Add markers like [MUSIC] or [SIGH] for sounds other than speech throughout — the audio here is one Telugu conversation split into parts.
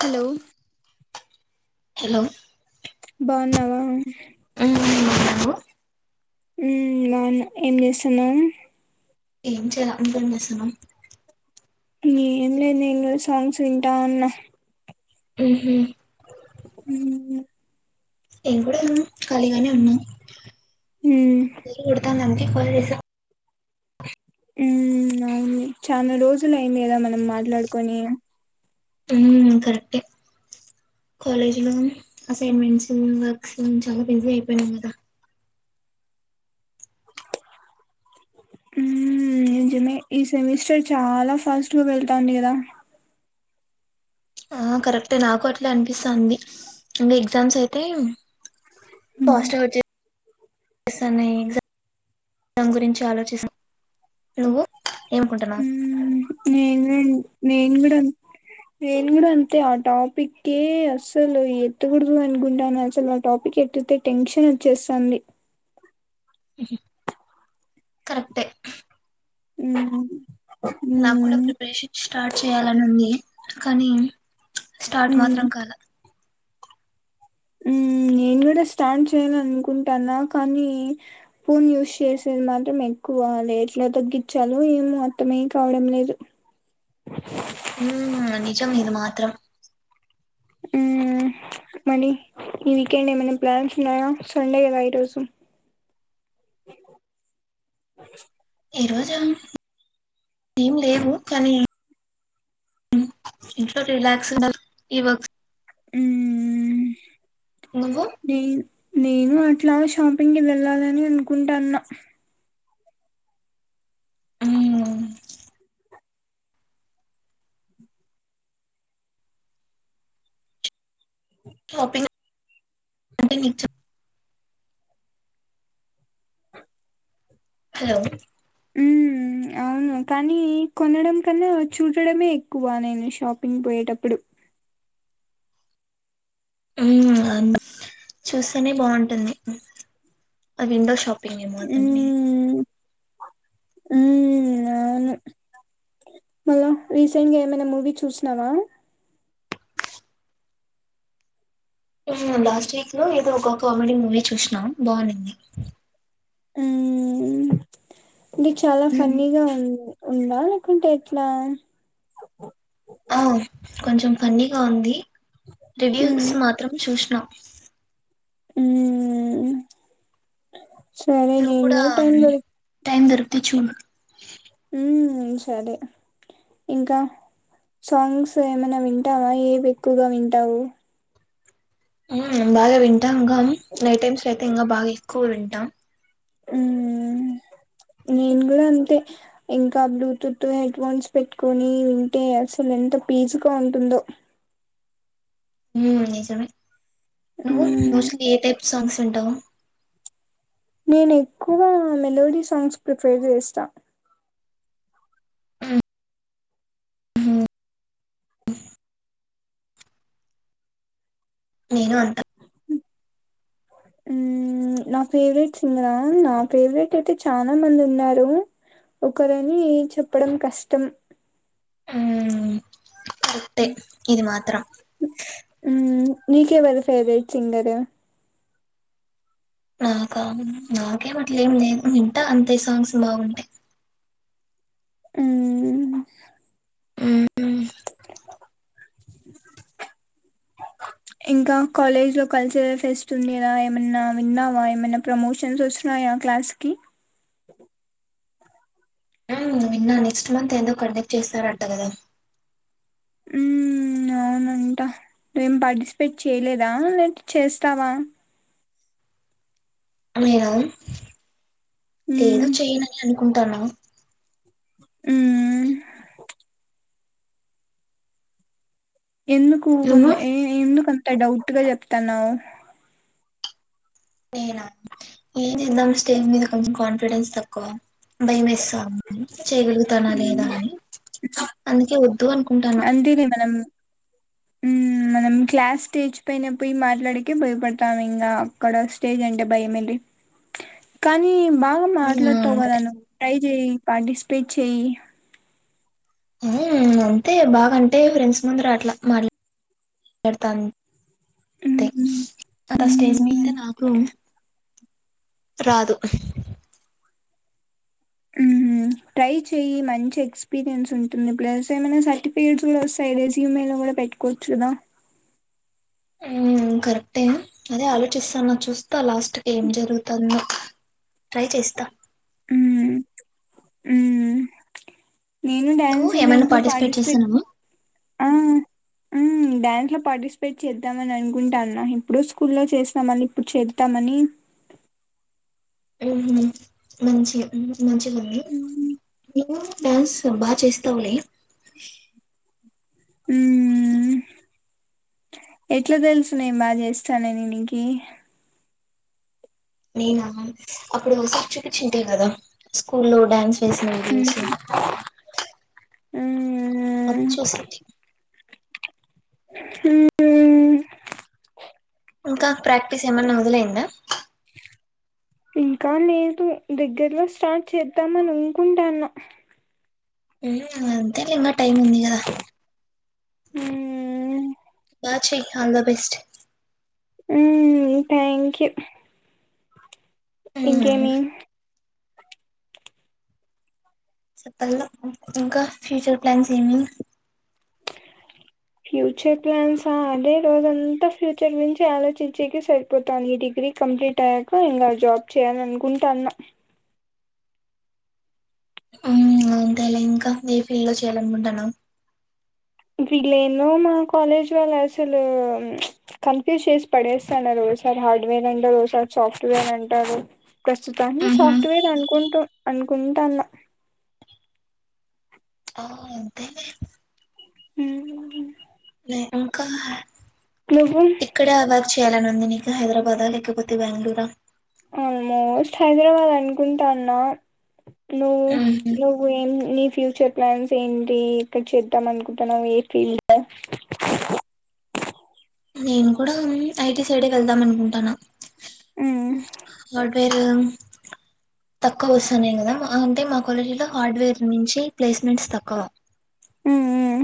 హలో హలో బావున్నావా ఉమ్ హ్మ్ నాన్న ఏం చేస్తున్నా ఏం చేయాల ఇంకేం చేస్తున్నావ్ ఏం లే నేను సాంగ్స్ వింటా ఉన్న ఉహు హ్మ్ హ్మ్ నేను కూడా ఖాళీగానే ఉన్న ఉమ్ నీళ్లు పడతాన్న రిఫరిసా హ్మ్ అవును చాలా రోజులు అయింది కదా మనం మాట్లాడుకొని హ్మ్ కరెక్టే కాలేజ్ లో అసైన్మెంట్స్ వర్క్స్ చాలా బిజీ అయిపోయినాం కదా మె ఈ సెమిస్టర్ చాలా ఫాస్ట్ గా వెళ్తాంది కదా ఆ కరెక్టే నాకు అట్లా అనిపిస్తాంది ఇంగా ఎగ్జామ్స్ అయితే ఉమ్ ఫాస్ట్గా వచ్చేస్తాన్నాయి ఎగ్జామ్ గురించి ఆలోచస్తా నువ్వు ఏమనుకుంటున్నావు నేనేన్ నేను కూడా నేను కూడా అంతే ఆ టాపికే అసలు ఎత్తకూడదు అనుకుంటాన్నా అసలు ఆ టాపిక్ ఎత్తితే టెన్షన్ వచ్చేస్తాంది కరెక్టే హ్మ్ నాకు కూడా ప్రిపరేషన్ స్టార్ట్ చేయాలని ఉంది కానీ స్టార్ట్ ఉమ్ మాత్రం కాల హ్మ్ నేను కూడా స్టార్ట్ చేయాల అనుకుంటాన్నా కానీ ఫోన్ యూస్ చేసేది మాత్రం ఎక్కువా ఎట్లా తగ్గిచ్చాలో ఏమో అర్థమే కావడం లేదు హ్మ్ నిజం ఇది మాత్రం హ్మ్ మనీ ఈ వీకెండ్ ఏమైనా ప్లాన్స్ ఉన్నాయా సండే కదా ఈరోజు ఈ రోజా ఏం లేవు కానీ ఇంట్లో రిలాక్స్ ఈ వర్క్ హ్మ్మ్ నువ్వు నే నేను అట్లా షాపింగ్ వెళ్ళాలని అనుకుంటాన్న హ్మ్ షాపింగ్ అంటే నీకు చెప్ హలో హ్మ్ హ్మ్ అవును కానీ కొనడం కన్నా చూడడమే ఎక్కువ నేను షాపింగ్ పోయేటప్పుడు హ్మ్ చూస్తేనే బాంటుంది విండో షాపింగ్ ఏమో అదండి హ్మ్ అవును మళ్ళా రీసెంట్గా ఏమైనా మూవీ చూసినావా హ్మ్ లాస్ట్ వీక్ లో ఏదో ఒక కామెడీ మూవీ చూసినా బావున్నింది హ్మ్ ది చాలా ఫన్నీ గా ఉంది ఉందా లేకుంటే ఎట్లా అ కొంచెం ఫన్నీగా ఉంది టెడిల్స్ మాత్రం చూసిన హ్మ్ సరే నేను కూడా టైమ్ దొర తె చూడు సరే ఇంకా సాంగ్స్ ఏమైనా వింటావా ఏవి ఎక్కువగా వింటావు హ్మ్ బాగా వింటాం గా ఇంకా నైట్ టైమ్స్ అయితే ఇంకా బాగా ఎక్కువ వింటా హ్మ్ నేను కూడా అంతే ఇంకా బ్లూటూతు హెడ్ఫోన్స్ పెట్టుకొని వింటే అసలు ఎంత పీస్గా ఉంటుందో హ్మ్ నిజమే నువ్వు మ్మ్ మోస్ట్లీ ఏ టైప్ సాంగ్స్ వింటావు నేను ఎక్కువ మెలోడీ సాంగ్స్ ప్రిఫర్ చేస్తా మ్మ్, నేను అంతే హ్మ్ నా ఫేవరెట్ సింగరా నా ఫేవరెట్ అయితే చాలా మంది ఉన్నారు ఒకరని చెప్పడం కష్టం. కరెక్టే ఇది మాత్రం మ్మ్ నీకెవరు ఫేవరెట్ సింగరు నాకా నాకేమట్ల ఏం లేదు. ఇంటా అంతే సాంగ్స్ బాగుంటే హ్మ్ మ్మ్ మ్మ్ ఇంకా కాలేజ్ లో కల్చరల్ ఫెస్ట్ ఉంది ఆ ఏమన్నా విన్నావా ఏమన్నా ప్రమోషన్స్ వస్తున్నాయా క్లాస్ కి మ్మ్ విన్నా నెక్స్ట్ మంత్ ఏదో కండక్ట్ చేస్తారంట కదా హ్మ్ అవునంట నువ్వేం పార్టిసిపేట్ చేయలేదా లేక చేస్తావా మీరు లేదు మ్మ్ చేయను అం ఉంటాను మ్మ్ ఎందుకు కొంద నువ్వు ఏ ఎందుకు అంత డౌట్ గా చెప్తన్నావు నేనా ఏం చేద్దాం స్టేజ్ మీద కొంచెం కాన్ఫిడెన్స్ తక్కువ భయమేస్ చేయగలుగుతానా లేదా అని అందుకే వద్ నందని మనం హ్మ్ మనం క్లాస్ స్టేజ్ పైన పోయి మాట్లాడకే భయపడతాము ఇంకా అక్కడ స్టేజ్ అంటే భయం ఏంటి కానీ బాగా మాట్లాడుతావు కదా మ్మ్ నువ్వు కై పార్టిసిపేట్ చెయ్ ఊ అంతే బాగ అంటే ఫ్రెండ్స్ ముందర అట్లా మాట్లా మాట్లాడతాను అంతే నాకు ఆ స్టేజ్ మీద రాదూ రాదు ఊహూ ట్రై చెయ్యి మంచి ఎక్స్పీరియన్స్ ఉంటుంది ప్లస్ ఏమైనా సర్టిఫికేట్స్ కూడా వస్తాయి రెజ్యూమ్ లో కూడా పెట్టుకోవచ్చు కదా హ్మ్ కరెక్టే అదే ఆలోచిస్తన్నా చూస్తా లాస్ట్ కి ఏం జరుగుతందో ట్రై చేస్తా హ్మ్ నేను నువ్వు డ్యాన్స్ ఏమైనా ఈవెంట్ లో పార్టిసిపేట్ చేసానమ్మా ఆ ఊ డ్యాన్స్ లో పార్టిసిపేట్ చేద్దామని అనుకుంటాన్న ఇప్పుడు స్కూల్లో చేసా మళ్ళీ ఇప్పుడు చేత్తామని మ్మ్ మంచి మంచి [UNINTELLIGIBLE] డ్యాన్స్ బాచేస్తావులే మ్మ్ హ్మ్ ఎట్లా తెలుసునే బాగా చేస్తానని నీకి అప్పుడు ఒకసారి చూపించుంటివి కదా స్కూల్ లో డ్యాన్స్ చేసిన వీడియోస్ ఊ అచ్చు స్ టి మ్మ్ ఇంకా ప్రాక్టీస్ ఏమన్నా మొదలయిందా ఇంకా లేదు. దగ్గరలో స్టార్ట్ చేద్దామని ఊకుంటాన్న ఉ అంతేలే ఇంకా టైమ్ ఉంది కదా. హహూ బాచెయ్ ఆల్ ద బెస్ట్ అయ్యే థ్యాంక్ యు మ్మ్ ఇంకేమి చెప్పాల ఇంకా ఫ్యూచర్ ప్లాన్స్ ఏమి. ఫ్యూచర్ ప్లాన్సా అదే రోజంతా ఫ్యూచర్ గురించి ఆలోచించేకి సరిపోతాంది. ఈ డిగ్రీ కంప్లీట్ అయ్యాక ఇంకా జాబ్ చేయాల అనుకుంటాన్న గ అంతేలే ఇంకా ఏ ఫీల్డ్ లో చేయాల అనుకుంటనావ్‌. వీళ్ళేందో మా కాలేజ్ వాళ్ళు అసలు చ్చ్ కన్ఫ్యూజ్ చేసి పడేసన్నారు. ఓసారి హార్డ్వేర్ అంటారు. ఓసారి సాఫ్ట్వేర్ అంటారు. ప్రస్తుతాన్ని ఊహు సాఫ్ట్వేర్ అనుకుంటు అనుకుంటాన్న. ఆ అంతే ఉహు నే ఇంకా నువ్వు ఇక్కడే అవాక్ చేయాలని ఉండనికె హైదరాబాదా లేకపోతే బాంగ్లూరా ఆల్మోస్ట్ హైదరాబాద్ అనుకుంటాన్నా నువ్వు ఊహు నువ్వు ఏం నీ ఫ్యూచర్ ప్లాన్స్ ఏంటి ఎక్కడ చేద్దాం. అనుకుంటన్నావ్ ఏ ఫీల్డ్ నేను కూడా ఐటి సైడే వెళ్దాం అనుకుంటన్న. మ్మ్ ఉ వాడిపే తక్కువ వస్సన్నాయ్ కదా ఆ అంటే మా కాలేజీలో హార్డ్వేర్ నుంచి ప్లేస్మెంట్స్ తక్కువ ఉ ఉ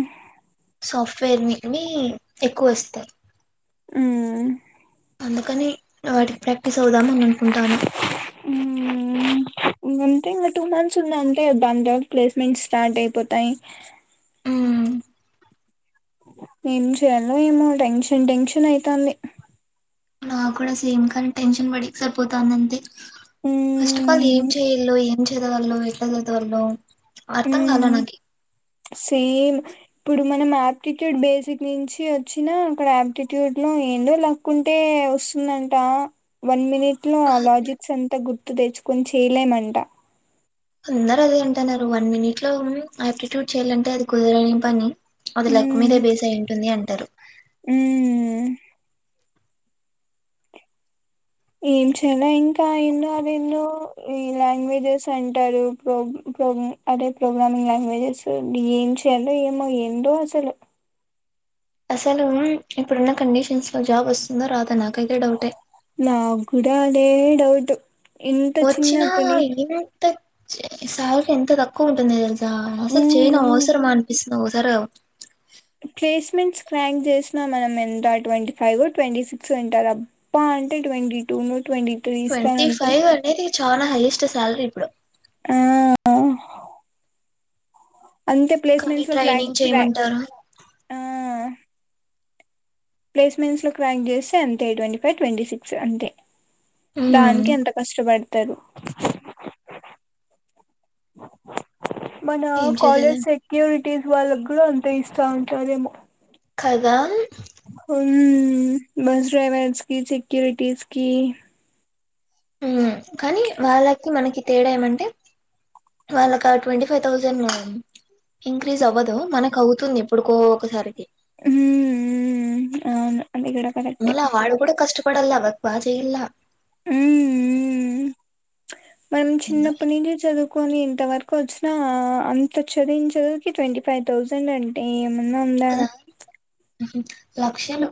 సాఫ్ట్వేర్ వికిని ఎక్కువ వస్తాయ్. హ్మ్మ్ అందుకని వాటికి ప్రాక్టీస్ అవుదాం అని అనుకుంటాన్న. వన్ తింగ్ ఆ టూ మంత్స్ ఉందిఅంతే [UNINTELLIGIBLE] ప్లేస్మెంట్ స్టార్ట్ అయిపోతాయ్. ఉ ఏం చేయాల్నో ఏమో టెన్షన్ టెన్షన్ అయితాంది. నా కూడా సేమ్ కానీ టెన్షన్ పడి సరిపోతాంది అంతే ఫస్ట్ ఆఫ్ ఆల్ మ్మ్ ఏం చేయాలో ఏం చదవాల్నో ఎట్లా చదవాల్నో ఉమ్ సేం ఇప్పుడు మనం ఆప్టిట్యూడ్ బేసిక్ నుంచి వచ్చినా అక్కడ ఆప్టిట్యూడ్ లో ఏందో లక్ ఉంటే వస్సుందంట వన్ మినిట్ ట్ లో ఆ లాజిక్స్ అంత గుర్తు తెచ్చ్ కొం చేయలేమంట అందరు అదే అంటన్నారు. వన్ మినిట్ లో ఉం ఆప్టిట్యూడ్ చేయాలంటే అది కుదరని పని అది లక్ మ్మ్ మీదే బేస్ అయి ఉంటుంది అని టరు మ్మ్ ఏం చేయాలో ఇంకా ఎన్నో అవేన్నో ఈ లాంగ్వేజెస్ అంటారు. ప్రొం ప్రోము అదే ప్రోగ్రామింగ్ లాంగ్వేజెస్ ఏం చేయాలో ఏమో ఏంటో అసలు అసలు ఇప్పుడున్న కండిషన్స్ లో జాబ్ వస్తుందో రాదా నాక్ నాగుడా అదే డౌటు ఇంత చిన్న పని తక్ సావుకి ఎంత తక్కువ ఉంటుంది తెల్సా ఆ అసలు చేయను అవసరం అనిపిస్ నువ్ వస్తారా రావా ప్లేస్మెంట్స్ క్రాక్ చేసినా మనం ఎంత ట్వంటీ ఫైవ్ ట్వంటీ సిక్స్ అంటారు అబ్బా అంటే ట్వంటీ టూ ను ట్వంటీ త్రీ ట్వంటీ ఇస్తానంటే ఫైవ్ అనేది చాలా హైయెస్ట్ సాలరీ ఇప్పుడు ఆ అవ్ అంతే కానీ ప్లేస్మెంట్స్ లో ట్రైనింగ్ [UNINTELLIGIBLE] చేయమంటారు ఆ ప్లేస్మెంట్స్ లో క్రాంగ్ చేస్తే అంతే ట్వంటీ ఫైవ్ ట్వంటీ సిక్స్ అంతే ఉమ్, దానికి ఎంత కష్టపడి తదు మన ఏం కాలేజ్ చేసేదాన్ని సెక్యూరిటీస్ వాళ్ల్కగూడ అంతే ఇస్తా ఉంటాదేమో కదా మ్మ్ బస్ డ్రైవర్స్కి సేక్యురిటీస్కి [UNINTELLIGIBLE] కానీ వాళ్ళకి మనకి తేడా ఏమంటే వాళ్ళకా ఆట్వంటీ ఫైవ్ థౌజండ్ ఇంక్రీజ్ అవ్వదు మనకు అవుతుంది ఎప్పుడుకో ఒకసారికి హ్మ్ హ్మ్ అవును అది కూడా కరెక్టే మల్ల వాడు కూడా కష్టం ఇప్పడలా వర్క్ బా చేయ్యాలా మ్మ్ మ్మ్ మనం చిన్నప్పటి నుంచి చదువ్ కొన్ని ఇంత వరకు వచ్చినా అంత చదివిన చదువుకి ట్వంటీ ఫైవ్ థౌజండ్ అంటే నిన్నా అన్లా కదా లక్షలు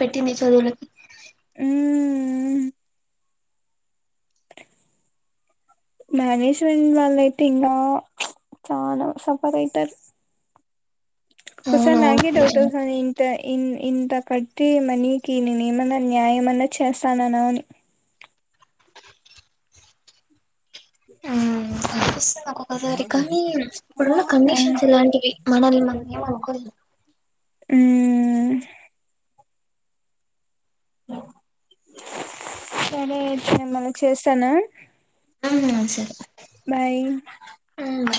పెట్టింది చదువులకి మ్మ్ మానేజ్మెంట్ వాలైతే ఇంకా ప్చ్ చాలా సఫర్ అయితారు ఒకోసారి అవునవును నాగే డౌట్ నిజమే వస్తాది ఇంత ఇన్ ఇంతకట్టి ఉన్నా నీకి నేను ఏమన్నా న్యాయంమన్నా చేస్తాన్నానా అని ఆ ఆ పస్ నాకు ఒకసారి కానీ ఇప్పుడు కండిషన్స్ ఇలాంటివి మనల్ని మనం ఏం అనుకోలేం ఊమ్ సరే అయితే నేను మళ్ళీ చేస్తాను హ్మ్ సరే బాయ్ హ్మ్ బాయ్